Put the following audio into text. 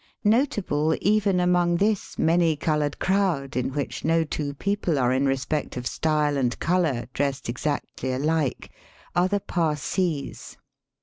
Notable even among this many coloured crowd, in which no two people are in respect of style and colour dressed exactly alike, are the Parsees.